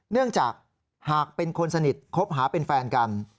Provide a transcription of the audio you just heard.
เนื่องจากหากเป็นคนสนิทคบหาเป็นแฟนกัน